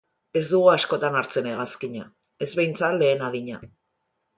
Ez dugu askotan hartzen hegazkina, ez behintzat lehen adina.